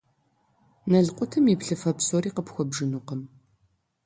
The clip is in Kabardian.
Налкъутым и плъыфэ псори къыпхуэбжынукъым.